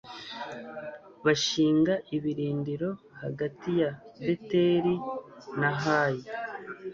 bashinga ibirindiro hagati ya beteli na hayi